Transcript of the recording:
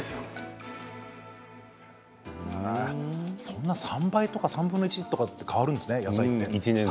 そんな３倍とか３分の１とか変わるんですね